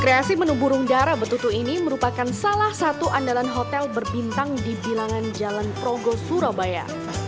kreasi menu burung darah betutu ini merupakan salah satu andalan hotel berbintang di bilangan jalan progo surabaya